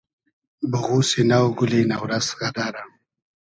بوغوسی نۆ , گولی نۆ رئس غئدئرۂ